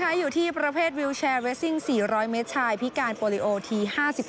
อยู่ที่ประเภทวิวแชร์เวสซิ่ง๔๐๐เมตรชายพิการโปรลิโอที๕๓